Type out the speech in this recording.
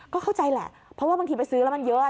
ก็เข้าใจแหละเพราะว่าบางทีไปซื้อแล้วมันเยอะ